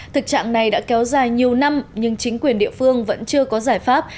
thực trạng này đã kéo dài nhiều năm nhưng chính quyền địa phương vẫn chưa có giải pháp